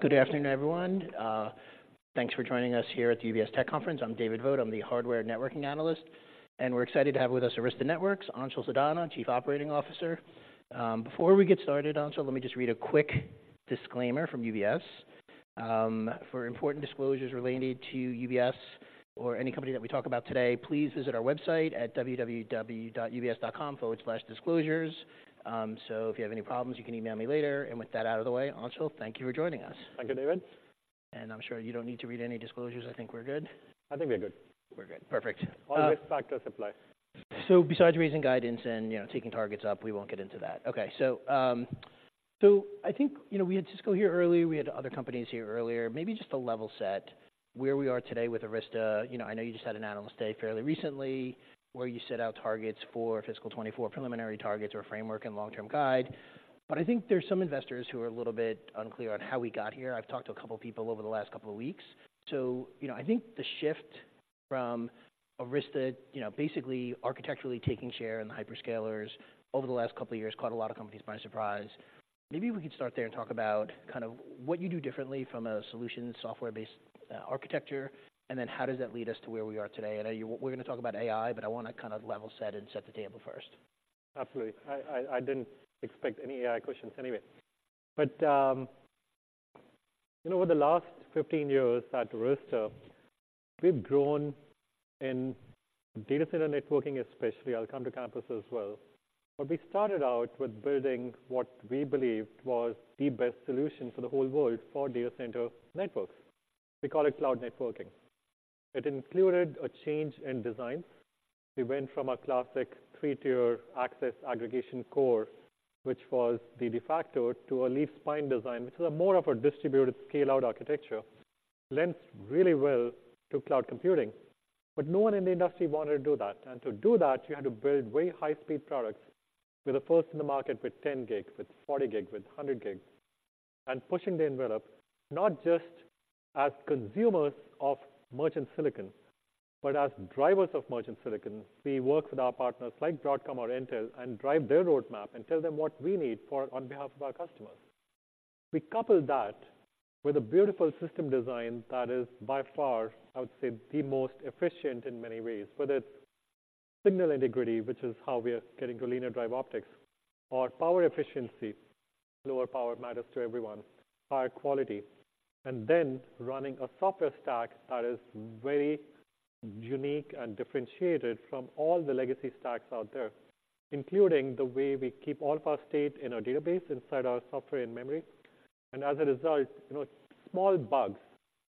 Good afternoon, everyone. Thanks for joining us here at the UBS Tech Conference. I'm David Vogt. I'm the hardware networking analyst, and we're excited to have with us Arista Networks, Anshul Sadana, Chief Operating Officer. Before we get started, Anshul, let me just read a quick disclaimer from UBS. For important disclosures relating to UBS or any company that we talk about today, please visit our website at www.ubs.com/disclosures. If you have any problems, you can email me later. With that out of the way, Anshul, thank you for joining us. Thank you, David. I'm sure you don't need to read any disclosures. I think we're good? I think we're good. We're good. Perfect. All risk factors apply. So besides raising guidance and, you know, taking targets up, we won't get into that. Okay. So, so I think, you know, we had Cisco here earlier, we had other companies here earlier. Maybe just to level set where we are today with Arista. You know, I know you just had an analyst day fairly recently, where you set out targets for fiscal 2024, preliminary targets or framework and long-term guide. But I think there's some investors who are a little bit unclear on how we got here. I've talked to a couple people over the last couple of weeks. So, you know, I think the shift from Arista, you know, basically architecturally taking share in the hyperscalers over the last couple of years, caught a lot of companies by surprise. Maybe we could start there and talk about kind of what you do differently from a solution, software-based architecture, and then how does that lead us to where we are today? I know you, we're going to talk about AI, but I want to kind of level set and set the table first. Absolutely. I didn't expect any AI questions anyway. But, you know, over the last 15 years at Arista, we've grown in data center networking especially. I'll come to campus as well. But we started out with building what we believed was the best solution for the whole world for data center networks. We call it cloud networking. It included a change in design. We went from a classic three-tier access aggregation core, which was the de facto, to a leaf-spine design, which is more of a distributed scale-out architecture. Lends really well to cloud computing, but no one in the industry wanted to do that. And to do that, you had to build very high-speed products. We're the first in the market with 10 Gbps, with 40 Gbps, with 100 Gbps, and pushing the envelope, not just as consumers of merchant silicon, but as drivers of merchant silicon. We work with our partners, like Broadcom or Intel, and drive their roadmap and tell them what we need for, on behalf of our customers. We coupled that with a beautiful system design that is, by far, I would say, the most efficient in many ways, whether it's signal integrity, which is how we are getting to linear drive optics, or power efficiency, lower power matters to everyone, higher quality. And then running a software stack that is very unique and differentiated from all the legacy stacks out there, including the way we keep all of our state in our database, inside our software and memory. As a result, you know, small bugs,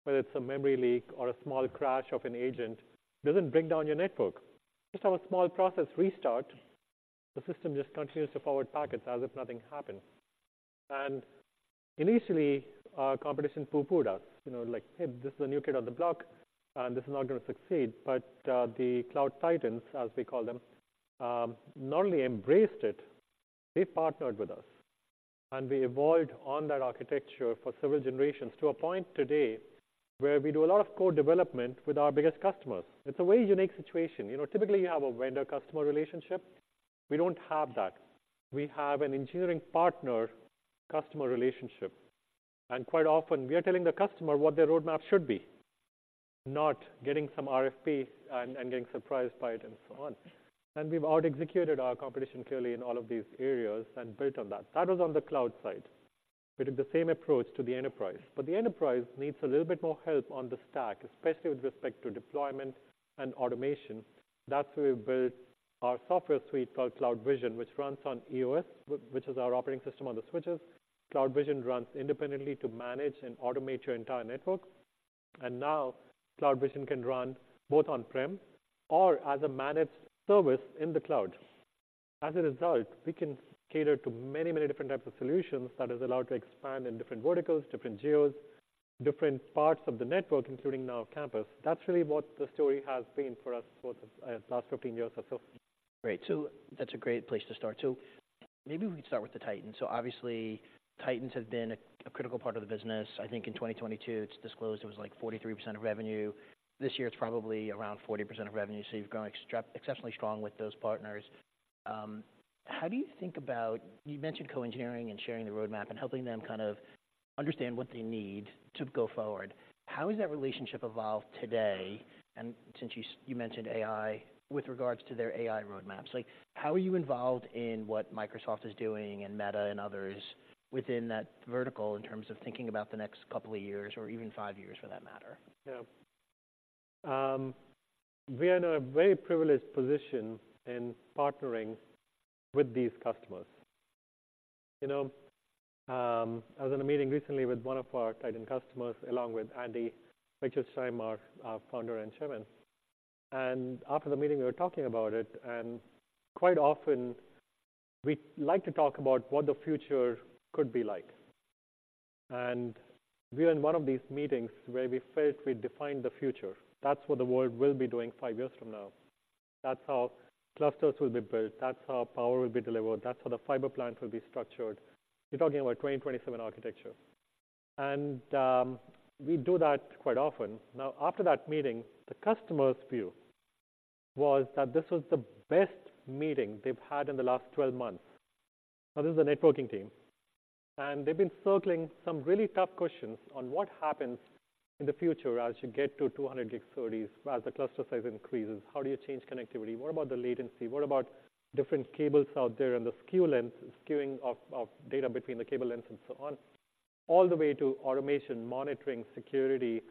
whether it's a memory leak or a small crash of an agent, doesn't bring down your network. Just have a small process restart, the system just continues to forward packets as if nothing happened. Initially, our competition poo-pooed us. You know, like, "Hey, this is a new kid on the block, and this is not going to succeed." But the Cloud Titans, as we call them, not only embraced it, they partnered with us. We evolved on that architecture for several generations to a point today where we do a lot of co-development with our biggest customers. It's a very unique situation. You know, typically, you have a vendor-customer relationship. We don't have that. We have an engineering partner-customer relationship, and quite often we are telling the customer what their roadmap should be, not getting some RFP and getting surprised by it and so on. We've outexecuted our competition clearly in all of these areas and built on that. That was on the cloud side. We did the same approach to the enterprise, but the enterprise needs a little bit more help on the stack, especially with respect to deployment and automation. That's where we built our software suite called CloudVision, which runs on EOS, which is our operating system on the switches. CloudVision runs independently to manage and automate your entire network, and now CloudVision can run both on-prem or as a managed service in the cloud. As a result, we can cater to many, many different types of solutions that is allowed to expand in different verticals, different geos, different parts of the network, including now campus. That's really what the story has been for us for the last 15 years or so. Great. So that's a great place to start. So maybe we could start with the Titans. So obviously, Titans have been a critical part of the business. I think in 2022, it's disclosed it was like 43% of revenue. This year, it's probably around 40% of revenue, so you've grown exceptionally strong with those partners. How do you think about... You mentioned co-engineering and sharing the roadmap and helping them kind of understand what they need to go forward. How has that relationship evolved today? And since you mentioned AI, with regards to their AI roadmaps, like, how are you involved in what Microsoft is doing, and Meta, and others within that vertical, in terms of thinking about the next couple of years or even five years, for that matter? Yeah. We are in a very privileged position in partnering with these customers. You know, I was in a meeting recently with one of our Titan customers, along with Andy Bechtolsheim, our founder and chairman. After the meeting, we were talking about it, and quite often we like to talk about what the future could be like. We are in one of these meetings where we felt we defined the future. That's what the world will be doing five years from now. That's how clusters will be built, that's how power will be delivered, that's how the fiber plant will be structured. You're talking about 2027 architecture. We do that quite often. Now, after that meeting, the customer's view was that this was the best meeting they've had in the last 12 months. Now, this is a networking team, and they've been circling some really tough questions on what happens in the future as you get to 200 Gbps SerDes, as the cluster size increases. How do you change connectivity? What about the latency? What about different cables out there and the skew length, skewing of data between the cable lengths and so on? All the way to automation, monitoring, security,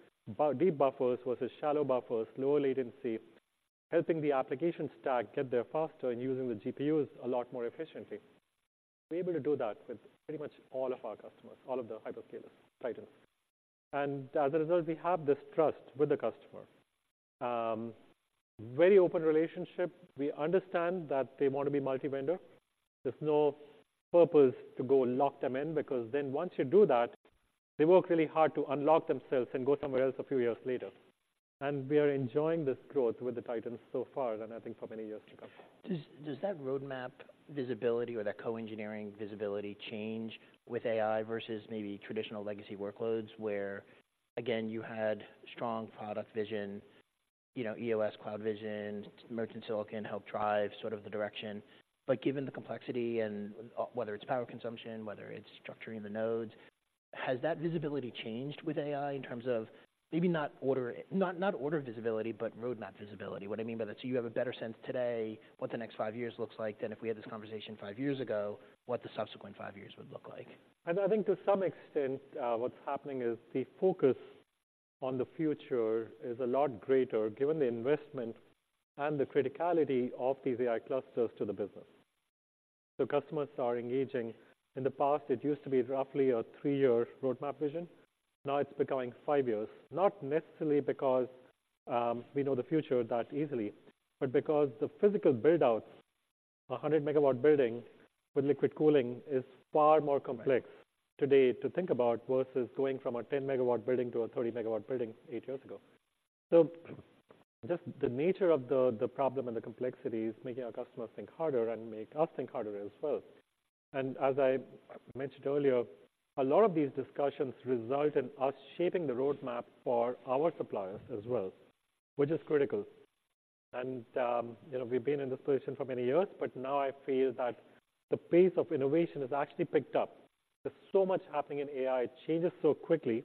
deep buffers versus shallow buffers, low latency, helping the application stack get there faster and using the GPUs a lot more efficiently. We're able to do that with pretty much all of our customers, all of the hyperscalers, titans. And as a result, we have this trust with the customer. Very open relationship. We understand that they want to be multi-vendor. There's no purpose to go lock them in, because then once you do that, they work really hard to unlock themselves and go somewhere else a few years later. We are enjoying this growth with the titans so far, and I think for many years to come. Does, does that roadmap visibility or that co-engineering visibility change with AI versus maybe traditional legacy workloads, where, again, you had strong product vision, you know, EOS, CloudVision, merchant silicon helped drive sort of the direction? But given the complexity and, whether it's power consumption, whether it's structuring the nodes, has that visibility changed with AI in terms of maybe not order... not, not order visibility, but roadmap visibility? What I mean by that, so you have a better sense today what the next five years looks like than if we had this conversation five years ago, what the subsequent five years would look like. I think to some extent, what's happening is the focus on the future is a lot greater given the investment and the criticality of these AI clusters to the business. So customers are engaging. In the past, it used to be roughly a three-year roadmap vision. Now it's becoming five years. Not necessarily because we know the future that easily, but because the physical build-outs, a 100 MW building with liquid cooling is far more complex- Right... today to think about versus going from a 10 MW building to a 30 MW building eight years ago. So just the nature of the problem and the complexity is making our customers think harder and make us think harder as well. And as I mentioned earlier, a lot of these discussions result in us shaping the roadmap for our suppliers as well, which is critical. And, you know, we've been in this position for many years, but now I feel that the pace of innovation has actually picked up. There's so much happening in AI, it changes so quickly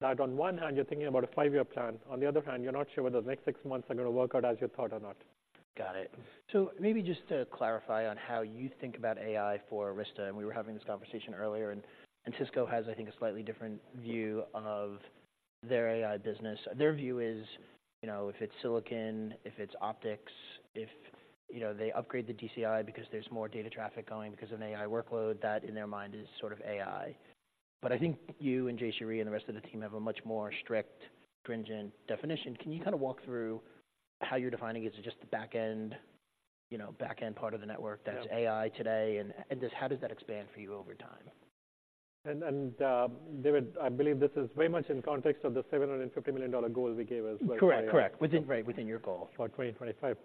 that on one hand, you're thinking about a five-year plan, on the other hand, you're not sure whether the next six months are going to work out as you thought or not. Got it. So maybe just to clarify on how you think about AI for Arista, and we were having this conversation earlier, and Cisco has, I think, a slightly different view of their AI business. Their view is, you know, if it's silicon, if it's optics, if, you know, they upgrade the DCI because there's more data traffic going because of an AI workload, that in their mind is sort of AI. But I think you and Jayshree and the rest of the team have a much more strict, stringent definition. Can you kind of walk through how you're defining it? Is it just the back end, you know, back end part of the network- Yeah... that's AI today? And does, how does that expand for you over time? David, I believe this is very much in context of the $750 million goal we gave as well. Correct. Correct. Within, right within your goal. For 2025.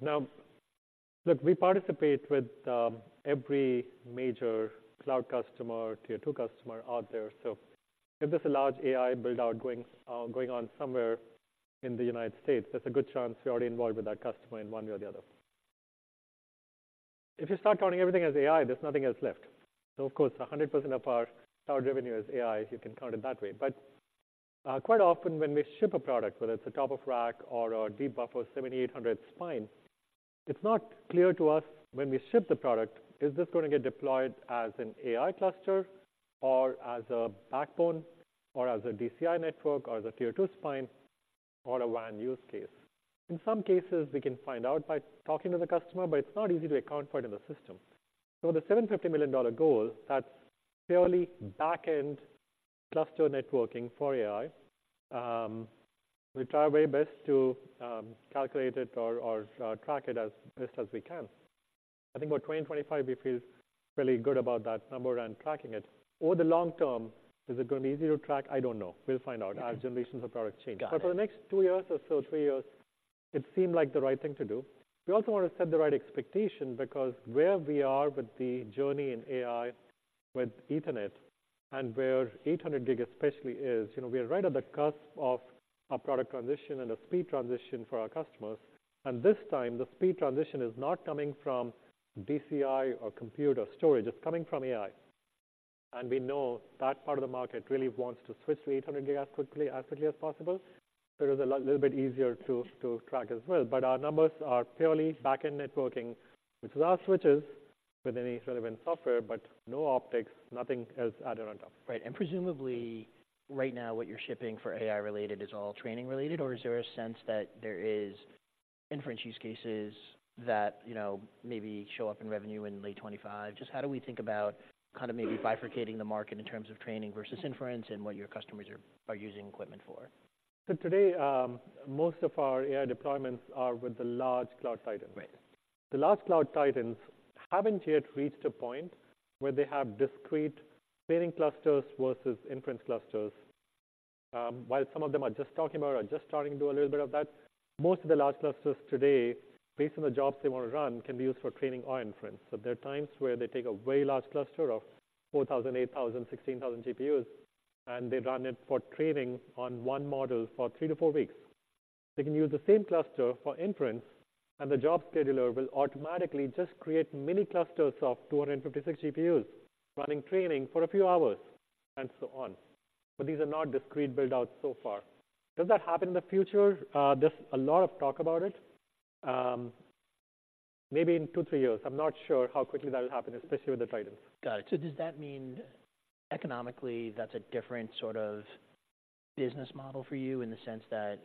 Now, look, we participate with every major cloud customer, Tier 2 customer out there. So if there's a large AI build-out going on somewhere in the United States, there's a good chance we're already involved with that customer in one way or the other. If you start counting everything as AI, there's nothing else left. So of course, 100% of our revenue is AI, you can count it that way. But quite often, when we ship a product, whether it's a top-of-rack or a deep buffer, 7800 spine, it's not clear to us when we ship the product, is this gonna get deployed as an AI cluster or as a backbone or as a DCI network or as a Tier 2 spine or a WAN use case? In some cases, we can find out by talking to the customer, but it's not easy to account for it in the system. So the $750 million goal, that's purely back-end cluster networking for AI. We try our very best to calculate it or track it as best as we can. I think by 2025, we feel really good about that number and tracking it. Over the long term, is it going to be easier to track? I don't know. We'll find out as generations of products change. Got it. But for the next two years or so, three years, it seemed like the right thing to do. We also want to set the right expectation because where we are with the journey in AI, with Ethernet, and where 800 Gbps especially is, you know, we are right at the cusp of a product transition and a speed transition for our customers. This time, the speed transition is not coming from DCI or compute or storage, it's coming from AI. We know that part of the market really wants to switch to 800 Gbps as quickly, as quickly as possible. So it is a little bit easier to track as well. But our numbers are purely back-end networking, which is our switches with any relevant software, but no optics, nothing else added on top. Right. And presumably, right now, what you're shipping for AI-related is all training related, or is there a sense that there is inference use cases that, you know, maybe show up in revenue in late 2025? Just how do we think about kind of maybe bifurcating the market in terms of training versus inference and what your customers are using equipment for? Today, most of our AI deployments are with the large Cloud titans. Right. The large Cloud Titans haven't yet reached a point where they have discrete training clusters versus inference clusters. While some of them are just talking about or just starting to do a little bit of that, most of the large clusters today, based on the jobs they want to run, can be used for training or inference. So there are times where they take a very large cluster of 4,000, 8,000, 16,000 GPUs and they run it for training on one model for three to four weeks. They can use the same cluster for inference, and the job scheduler will automatically just create mini clusters of 256 GPUs, running training for a few hours, and so on. But these are not discrete build-outs so far. Does that happen in the future? There's a lot of talk about it. Maybe in two to three years. I'm not sure how quickly that will happen, especially with the Titans. Got it. So does that mean economically, that's a different sort of business model for you, in the sense that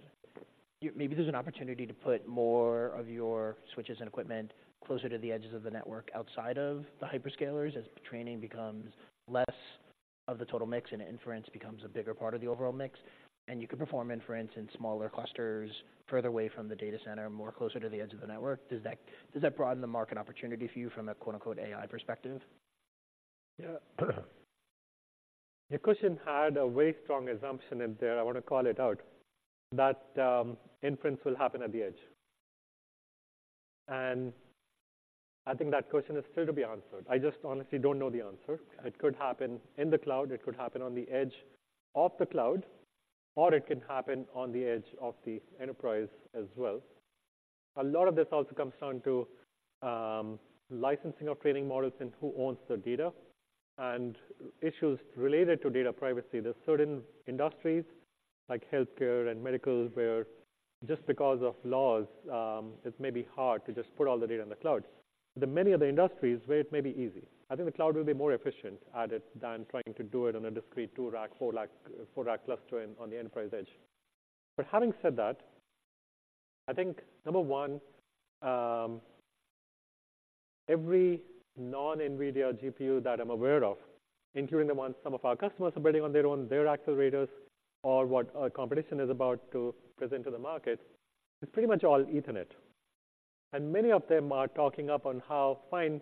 maybe there's an opportunity to put more of your switches and equipment closer to the edges of the network outside of the hyperscalers, as training becomes less of the total mix and inference becomes a bigger part of the overall mix, and you can perform inference in smaller clusters, further away from the data center, more closer to the edge of the network? Does that, does that broaden the market opportunity for you from a, quote-unquote, "AI perspective"? Yeah. The question had a very strong assumption in there. I want to call it out, that inference will happen at the edge. And I think that question is still to be answered. I just honestly don't know the answer. It could happen in the cloud, it could happen on the edge of the cloud, or it can happen on the edge of the enterprise as well. A lot of this also comes down to licensing of training models and who owns the data, and issues related to data privacy. There's certain industries, like healthcare and medical, where just because of laws, it may be hard to just put all the data in the cloud. There are many other industries where it may be easy. I think the cloud will be more efficient at it than trying to do it on a discrete two-rack, four-rack, four-rack cluster on the enterprise edge. But having said that, I think, number one, every non-NVIDIA GPU that I'm aware of, including the ones some of our customers are building on their own, their accelerators, or what our competition is about to present to the market, it's pretty much all Ethernet. And many of them are talking up on how fine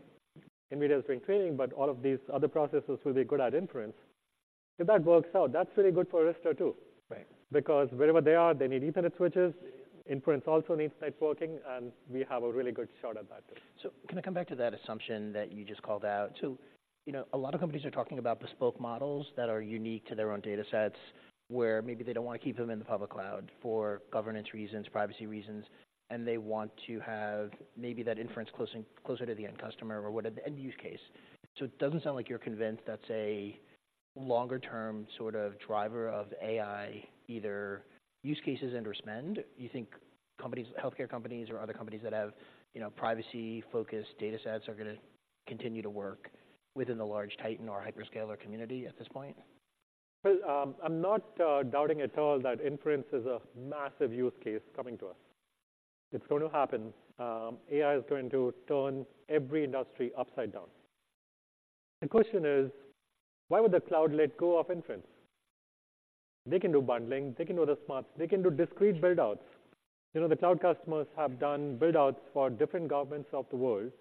NVIDIA is doing training, but all of these other processes will be good at inference. If that works out, that's really good for Arista, too. Right. Because wherever they are, they need Ethernet switches. Inference also needs networking, and we have a really good shot at that, too. So can I come back to that assumption that you just called out? So, you know, a lot of companies are talking about bespoke models that are unique to their own datasets, where maybe they don't want to keep them in the public cloud for governance reasons, privacy reasons, and they want to have maybe that inference closer to the end customer or what at the end use case. So it doesn't sound like you're convinced that's a longer-term sort of driver of AI, either use cases and/or spend. You think companies, healthcare companies or other companies that have, you know, privacy-focused datasets are gonna continue to work within the large titan or hyperscaler community at this point? Well, I'm not doubting at all that inference is a massive use case coming to us. It's going to happen. AI is going to turn every industry upside down. The question is, why would the cloud let go of inference? They can do bundling, they can do the smart, they can do discrete build-outs. You know, the cloud customers have done build-outs for different governments of the world,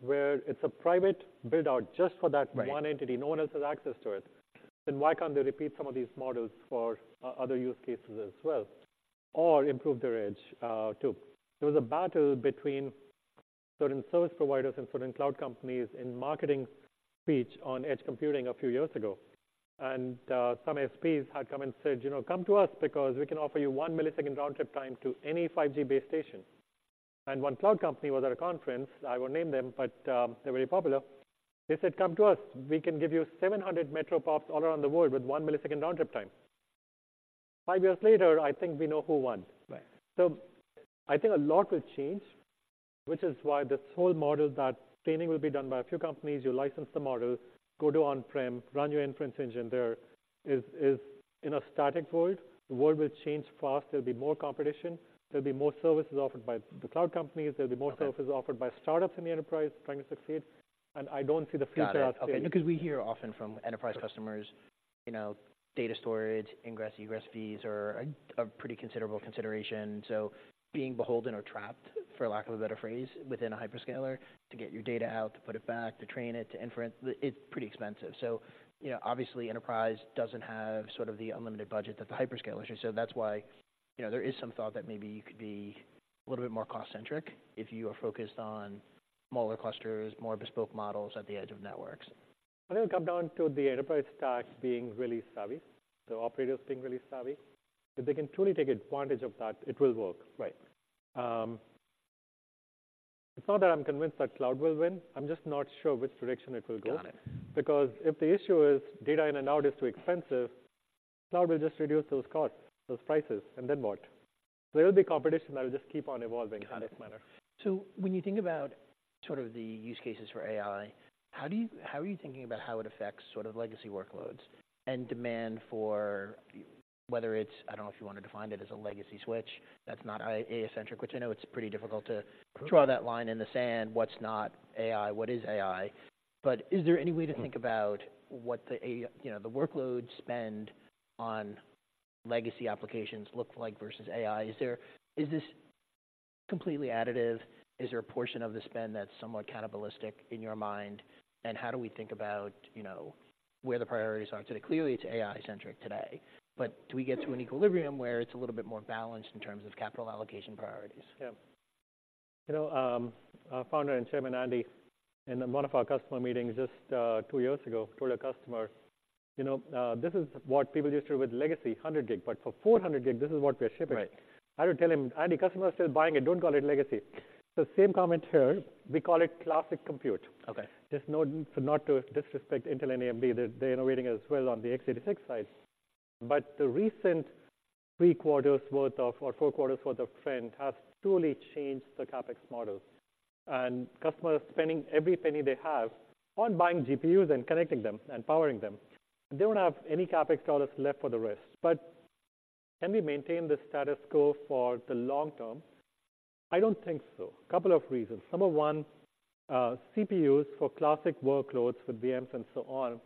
where it's a private build-out just for that- Right... one entity. No one else has access to it. Then why can't they repeat some of these models for other use cases as well? Or improve their edge, too. There was a battle between certain service providers and certain cloud companies in marketing speech on edge computing a few years ago, and some SPs had come and said: "You know, come to us because we can offer you one millisecond round-trip time to any 5G base station." And one cloud company was at a conference, I won't name them, but they're very popular. They said: "Come to us, we can give you 700 metro pops all around the world with one millisecond round-trip time." Five years later, I think we know who won. Right. So I think a lot will change, which is why this whole model, that training will be done by a few companies, you license the model, go to on-prem, run your inference engine there, is in a static world. The world will change fast. There'll be more competition, there'll be more services offered by the cloud companies, there'll be more- Okay... services offered by startups in the enterprise trying to succeed, and I don't see the future as- Got it. Okay. Because we hear often from enterprise customers, you know, data storage, ingress, egress fees are, are pretty considerable consideration. So being beholden or trapped, for lack of a better phrase, within a hyperscaler, to get your data out, to put it back, to train it, to inference, it's pretty expensive. So, you know, obviously, enterprise doesn't have sort of the unlimited budget that the hyperscalers have. So that's why, you know, there is some thought that maybe you could be a little bit more cost-centric if you are focused on smaller clusters, more bespoke models at the edge of networks. I think it come down to the enterprise stacks being really savvy, the operators being really savvy. If they can truly take advantage of that, it will work. Right. It's not that I'm convinced that cloud will win. I'm just not sure which direction it will go. Got it. Because if the issue is data in and out is too expensive, cloud will just reduce those costs, those prices, and then what? There will be competition that will just keep on evolving- Got it... in this manner. So when you think about sort of the use cases for AI, how are you thinking about how it affects sort of legacy workloads and demand for whether it's... I don't know if you want to define it as a legacy switch. That's not AI-centric, which I know it's pretty difficult to- Sure... draw that line in the sand. What's not AI? What is AI? But is there any way to think about what the AI, you know, the workload spend on legacy applications look like versus AI? Is this completely additive? Is there a portion of the spend that's somewhat cannibalistic in your mind, and how do we think about, you know, where the priorities are today? Clearly, it's AI-centric today, but do we get to an equilibrium where it's a little bit more balanced in terms of capital allocation priorities? Yeah... You know, our founder and chairman, Andy, in one of our customer meetings just two years ago, told a customer, "You know, this is what people used to do with legacy, 100 Gbps, but for 400 Gbps, this is what we are shipping. Right. I would tell him, "Andy, customer is still buying it, don't call it legacy." So same comment here, we call it classic compute. Okay. Just no, not to disrespect Intel and AMD, they're innovating as well on the x86 side. But the recent three quarters worth of or four quarters worth of trend has truly changed the CapEx model, and customers are spending every penny they have on buying GPUs and connecting them and powering them. They don't have any CapEx dollars left for the rest. But can we maintain the status quo for the long term? I don't think so. Couple of reasons. Number one, CPUs for classic workloads, for VMs and so on,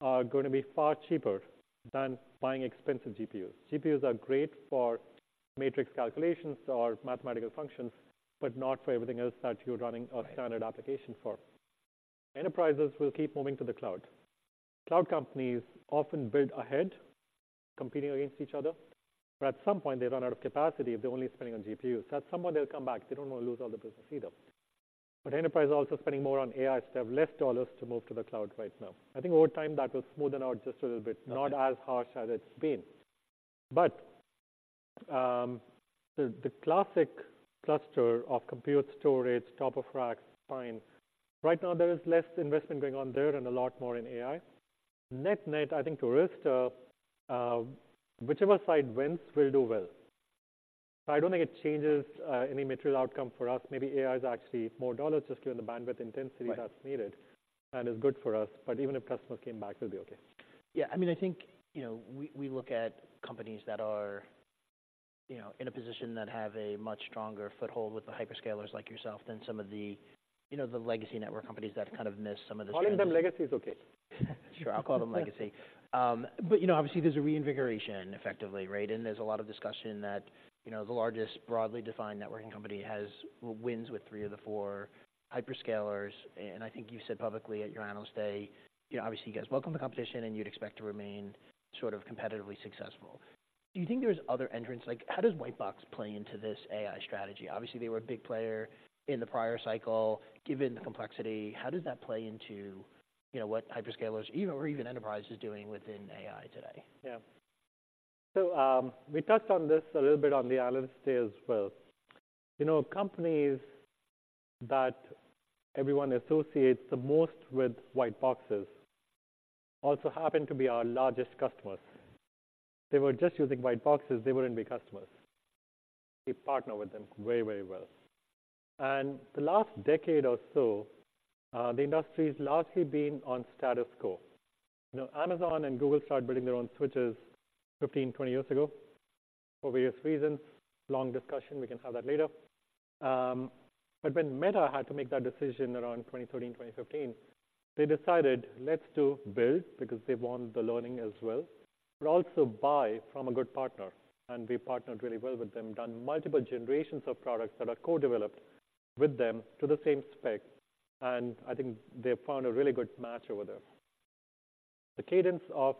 are going to be far cheaper than buying expensive GPUs. GPUs are great for matrix calculations or mathematical functions, but not for everything else that you're running a standard application for. Enterprises will keep moving to the cloud. Cloud companies often build ahead, competing against each other, but at some point they run out of capacity if they're only spending on GPUs. At some point, they'll come back. They don't want to lose all the business either. But enterprise is also spending more on AI, so they have less dollars to move to the cloud right now. I think over time, that will smoothen out just a little bit. Okay. Not as harsh as it's been. But, the classic cluster of compute storage, top-of-rack, fine. Right now, there is less investment going on there and a lot more in AI. Net net, I think to risk, whichever side wins will do well. So I don't think it changes, any material outcome for us. Maybe AI is actually more dollars, just given the bandwidth intensity that's needed- Right... and is good for us. But even if customers came back, we'll be okay. Yeah, I mean, I think, you know, we, we look at companies that are, you know, in a position that have a much stronger foothold with the hyperscalers like yourself than some of the, you know, the legacy network companies that kind of miss some of the trends. Calling them legacy is okay. Sure, I'll call them legacy. But, you know, obviously, there's a reinvigoration effectively, right? And there's a lot of discussion that, you know, the largest broadly defined networking company has wins with three of the four hyperscalers. And I think you said publicly at your Analyst Day, you know, obviously, you guys welcome the competition, and you'd expect to remain sort of competitively successful. Do you think there's other entrants—like, how does white box play into this AI strategy? Obviously, they were a big player in the prior cycle. Given the complexity, how does that play into, you know, what hyperscalers, even or even enterprise is doing within AI today? Yeah. So, we touched on this a little bit on the Analyst Day as well. You know, companies that everyone associates the most with white boxes also happen to be our largest customers. If they were just using white boxes, they wouldn't be customers. We partner with them very, very well. And the last decade or so, the industry has largely been on status quo. You know, Amazon and Google started building their own switches 15, 20 years ago for various reasons. Long discussion, we can have that later. But when Meta had to make that decision around 2013, 2015, they decided, let's do build, because they want the learning as well, but also buy from a good partner. We partnered really well with them, done multiple generations of products that are co-developed with them to the same spec, and I think they found a really good match over there. The cadence of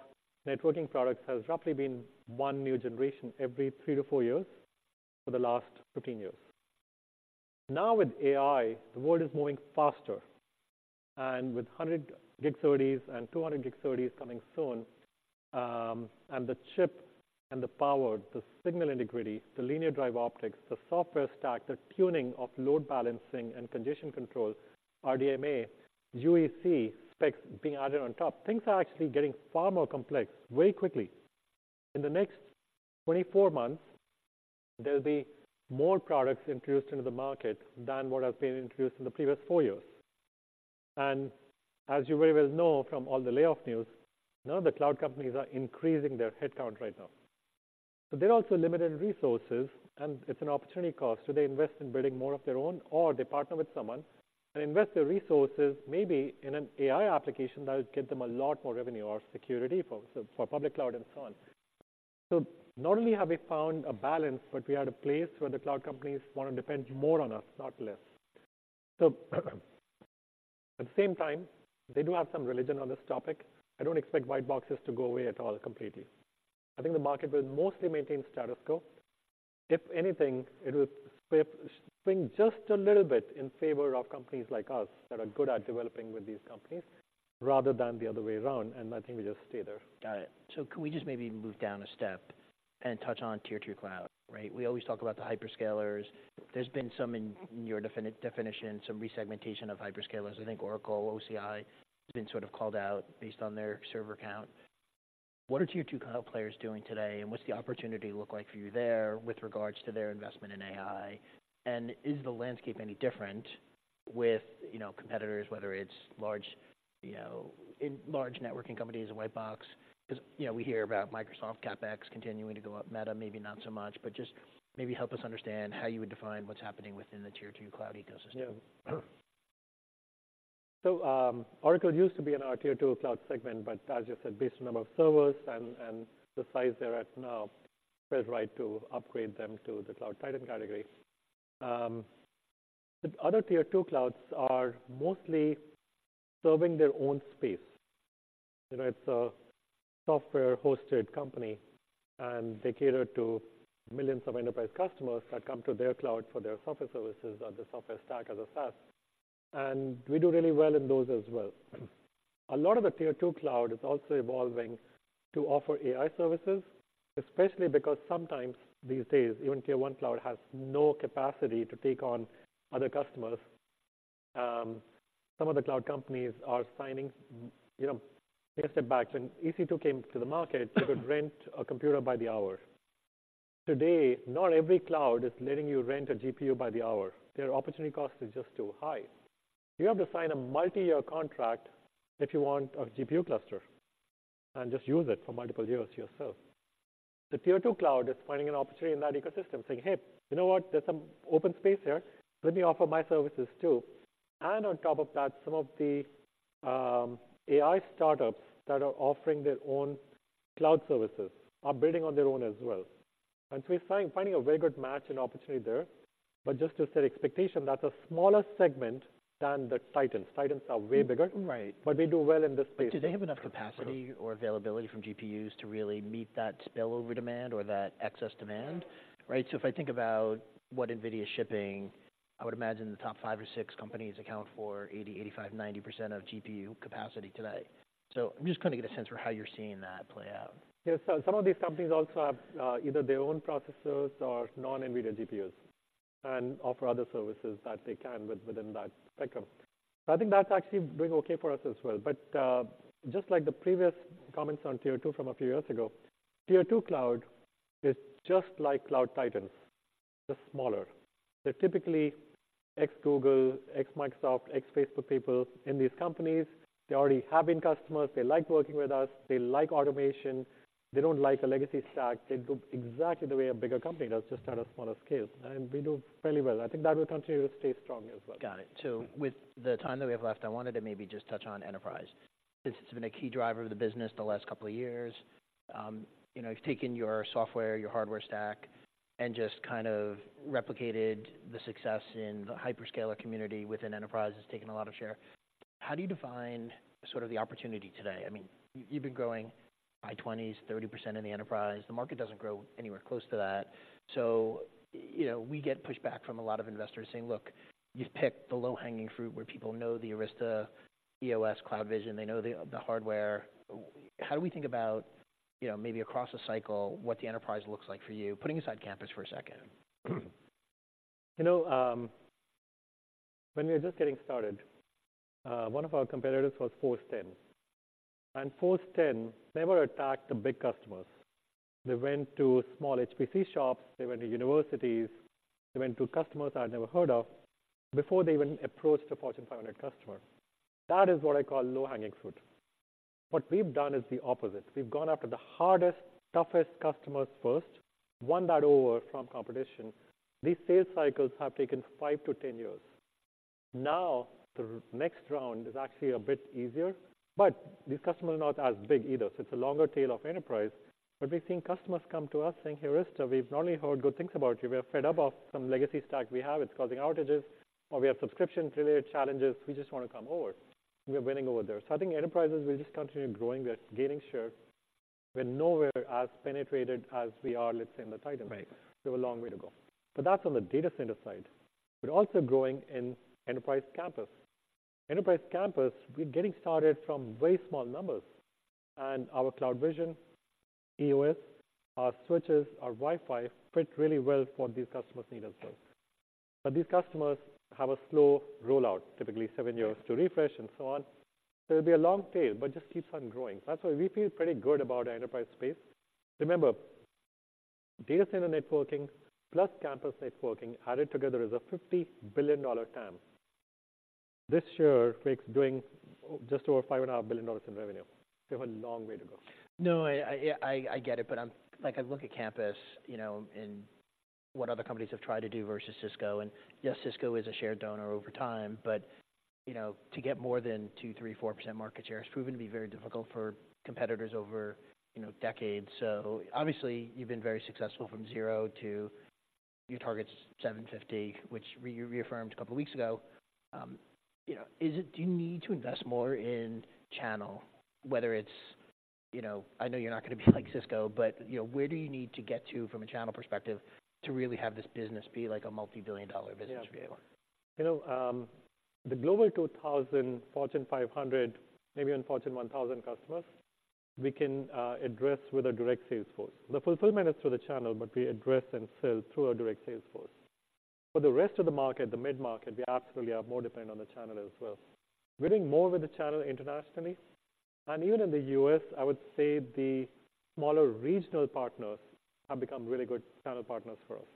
networking products has roughly been one new generation every three to four years for the last 15 years. Now, with AI, the world is moving faster, and with 100 Gbps SerDes and 200 Gbps SerDes coming soon, and the chip and the power, the signal integrity, the linear drive optics, the software stack, the tuning of load balancing and condition control, RDMA, UEC specs being added on top, things are actually getting far more complex very quickly. In the next 24 months, there'll be more products introduced into the market than what has been introduced in the previous four years. As you very well know from all the layoff news, none of the cloud companies are increasing their headcount right now. They're also limited in resources, and it's an opportunity cost. Do they invest in building more of their own, or they partner with someone and invest their resources maybe in an AI application that will get them a lot more revenue or security for, for public cloud and so on? Not only have we found a balance, but we are at a place where the cloud companies want to depend more on us, not less. At the same time, they do have some religion on this topic. I don't expect white boxes to go away at all, completely. I think the market will mostly maintain status quo. If anything, it will swing just a little bit in favor of companies like us, that are good at developing with these companies, rather than the other way around, and I think we just stay there. Got it. So can we just maybe move down a step and touch on Tier 2 cloud, right? We always talk about the hyperscalers. There's been some in your definition, some resegmentation of hyperscalers. I think Oracle, OCI, has been sort of called out based on their server count. What are Tier 2 cloud players doing today, and what's the opportunity look like for you there with regards to their investment in AI? And is the landscape any different with, you know, competitors, whether it's large, you know, in large networking companies and white box? 'Cause, you know, we hear about Microsoft CapEx continuing to go up. Meta, maybe not so much, but just maybe help us understand how you would define what's happening within the Tier 2 cloud ecosystem. Yeah. So, Oracle used to be in our Tier 2 cloud segment, but as you said, based on the number of servers and the size they're at now, it feels right to upgrade them to the cloud titan category. But other Tier 2 clouds are mostly serving their own space. You know, it's a software-hosted company, and they cater to millions of enterprise customers that come to their cloud for their software services or their software stack as a SaaS, and we do really well in those as well. A lot of the Tier 2 cloud is also evolving to offer AI services, especially because sometimes these days, even Tier 1 cloud has no capacity to take on other customers. Some of the cloud companies are saying, you know, take a step back. When EC2 came to the market, you could rent a computer by the hour. Today, not every cloud is letting you rent a GPU by the hour. Their opportunity cost is just too high. You have to sign a multi-year contract if you want a GPU cluster and just use it for multiple years yourself. The Tier 2 cloud is finding an opportunity in that ecosystem, saying, "Hey, you know what? There's some open space here. Let me offer my services, too." And on top of that, some of the AI startups that are offering their own cloud services are building on their own as well. And so we're finding a very good match and opportunity there. But just to set expectation, that's a smaller segment than the titans. Titans are way bigger. Right. But we do well in this space. Do they have enough capacity or availability from GPUs to really meet that spillover demand or that excess demand, right? So if I think about what NVIDIA is shipping, I would imagine the top five or six companies account for 80%, 85%, 90% of GPU capacity today. So I'm just trying to get a sense for how you're seeing that play out. Yeah. So some of these companies also have either their own processors or non-NVIDIA GPUs and offer other services that they can within that spectrum. I think that's actually doing okay for us as well. But just like the previous comments on Tier 2 from a few years ago, Tier 2 cloud is just like Cloud Titans, just smaller. They're typically ex-Google, ex-Microsoft, ex-Facebook people in these companies. They already have been customers. They like working with us. They like automation. They don't like a legacy stack. They do exactly the way a bigger company does, just at a smaller scale, and we do fairly well. I think that will continue to stay strong as well. Got it. So with the time that we have left, I wanted to maybe just touch on enterprise. Since it's been a key driver of the business the last couple of years, you know, you've taken your software, your hardware stack, and just kind of replicated the success in the hyperscaler community within enterprise. It's taken a lot of share. How do you define sort of the opportunity today? I mean, you've been growing high 20s%, 30% in the enterprise. The market doesn't grow anywhere close to that. So, you know, we get pushback from a lot of investors saying, "Look, you've picked the low-hanging fruit where people know the Arista, EOS, CloudVision, they know the, the hardware." How do we think about, you know, maybe across a cycle, what the enterprise looks like for you, putting aside campus for a second? You know, when we were just getting started, one of our competitors was Force10, and Force10 never attacked the big customers. They went to small HPC shops, they went to universities, they went to customers I'd never heard of before they even approached a Fortune 500 customer. That is what I call low-hanging fruit. What we've done is the opposite. We've gone after the hardest, toughest customers first, won that over from competition. These sales cycles have taken five to 10 years. Now, the next round is actually a bit easier, but these customers are not as big either, so it's a longer tail of enterprise. But we've seen customers come to us saying, "Hey, Arista, we've only heard good things about you. We are fed up of some legacy stack we have. It's causing outages, or we have subscription-related challenges. We just want to come over." We are winning over there. So I think enterprises will just continue growing. They're gaining share. We're nowhere as penetrated as we are, let's say, in the titans. Right. So a long way to go. But that's on the data center side. We're also growing in enterprise campus. Enterprise campus, we're getting started from very small numbers, and our CloudVision, EOS, our switches, our Wi-Fi fit really well for these customers' needs as well. But these customers have a slow rollout, typically seven years to refresh and so on. So it'll be a long tail, but just keeps on growing. That's why we feel pretty good about our enterprise space. Remember, data center networking plus campus networking added together is a $50 billion TAM. This year makes doing just over $5.5 billion in revenue. We have a long way to go. No, yeah, I get it, but I'm like, I look at campus, you know, and what other companies have tried to do versus Cisco, and yes, Cisco is a shared donor over time, but, you know, to get more than 2%, 3%, 4% market share has proven to be very difficult for competitors over, you know, decades. So obviously, you've been very successful from zero to your target's $750, which you reaffirmed a couple weeks ago. You know, is it do you need to invest more in channel, whether it's, you know... I know you're not going to be like Cisco, but, you know, where do you need to get to from a channel perspective to really have this business be, like, a multi-billion dollar business for you? You know, the Global 2000, Fortune 500, maybe even Fortune 1000 customers, we can address with a direct sales force. The fulfillment is through the channel, but we address and sell through our direct sales force. For the rest of the market, the mid-market, we absolutely are more dependent on the channel as well. We're doing more with the channel internationally, and even in the US, I would say the smaller regional partners have become really good channel partners for us.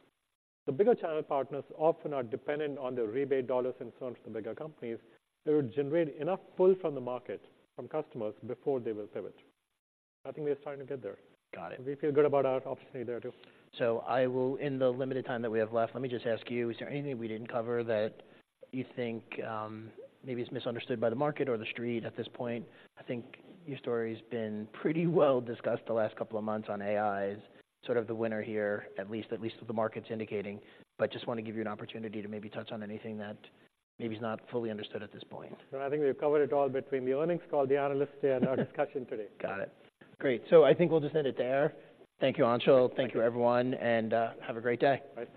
The bigger channel partners often are dependent on the rebate dollars and so on from the bigger companies. They would generate enough pull from the market, from customers before they will pivot. I think we are starting to get there. Got it. We feel good about our opportunity there, too. In the limited time that we have left, let me just ask you, is there anything we didn't cover that you think maybe is misunderstood by the market or the street at this point? I think your story's been pretty well discussed the last couple of months on AI as sort of the winner here, at least, at least the market's indicating. But just want to give you an opportunity to maybe touch on anything that maybe is not fully understood at this point. No, I think we've covered it all between the earnings call, the analyst day, and our discussion today. Got it. Great. So I think we'll just end it there. Thank you, Anshul. Thank you, everyone, and have a great day. Bye.